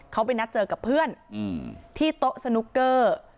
เขาไปนัดเจอกับเพื่อนที่โต๊ะสนุกเกอร์